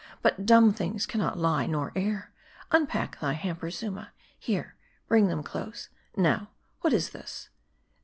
But dumb things can not lie nor err. Unpack, thy hampers, Zuma. Here, bring them close : now : what is this